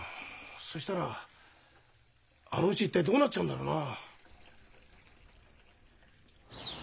そしたらあのうち一体どうなっちゃうんだろうな？